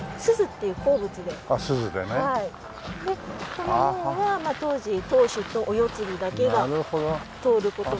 この門は当時当主とお世継ぎだけが通る事ができ。